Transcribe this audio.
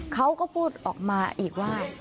เขาก็พูดออกมาอีกว่า